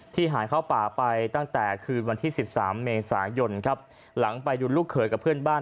หายเข้าป่าไปตั้งแต่คืนวันที่๑๓เมษายนครับหลังไปดูลูกเขยกับเพื่อนบ้าน